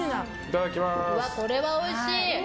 これはおいしい。